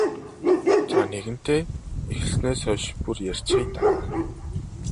За нэгэнтээ эхэлснээс хойш бүр ярьчихъя даа.